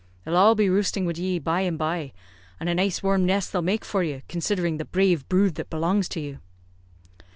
They'll all be roosting wid ye by and by; and a nice warm nest they'll make for you, considering the brave brood that belongs to you."